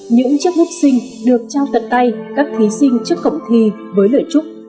những chiếc hút xinh được trao tận tay các thí sinh trước cổng thi với lời chúc